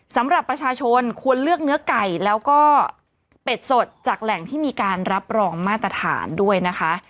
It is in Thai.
สำหรับประชาชนควรเลือกเนื้อไก่แล้วก็เป็ดสดจากแหล่งที่มีการรับรองมาตรฐานด้วยนะคะ